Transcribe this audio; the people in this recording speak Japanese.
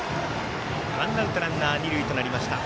ワンアウト、ランナー、二塁となりました。